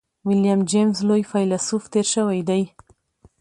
ويليم جېمز لوی فيلسوف تېر شوی دی.